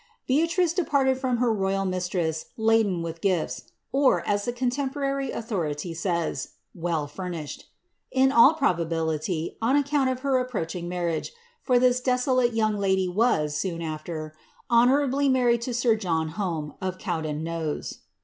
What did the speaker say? Beatrice departed from her royal mistress laden with gifts, or, as the con temporary authority says, ^^ well furnished ;'' in all probability, on ac count of her approaching marriage, for this desolate young lady was^ soon aAar, honourably married to sir John Home, of Gowdenknows.'